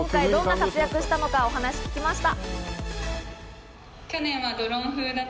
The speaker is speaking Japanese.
今回、どう活躍したのか、お話を聞きました。